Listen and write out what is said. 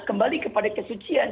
kembali kepada kesucian